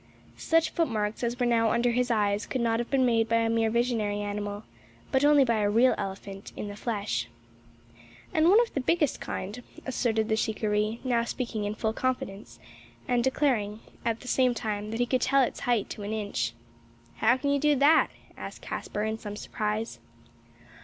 Such footmarks as were now under his eyes could not have been made by a mere visionary animal, but only by a real elephant in the flesh. "And one of the biggest kind," asserted the shikaree, now speaking in full confidence, and declaring, at the same time, that he could tell its height to an inch. "How can you do that?" asked Caspar, in some surprise.